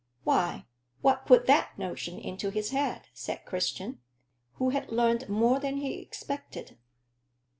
"Why, what put that notion into his head?" said Christian, who had learned more than he expected.